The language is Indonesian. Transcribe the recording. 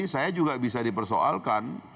saya juga bisa dipersoalkan